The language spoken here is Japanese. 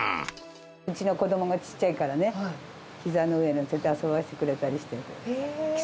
うちの子どもがちっちゃいからね、ひざの上乗せて遊ばせてくれたりして。